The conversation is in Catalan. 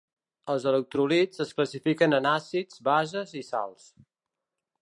Els electròlits es classifiquen en àcids, bases i sals.